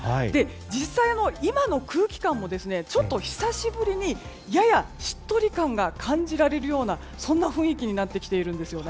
実際、今の空気感もちょっと久しぶりにややしっとり感が感じられるようなそんな雰囲気になってきているんですよね。